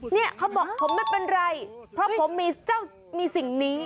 เนี่ยเขาบอกผมไม่เป็นไรเพราะผมมีเจ้ามีสิ่งนี้